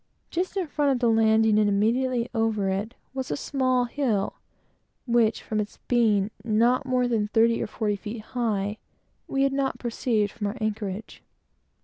Just in front of the landing, and immediately over it, was a small hill, which, from its being not more than thirty or forty feet high, we had not perceived from our anchorage.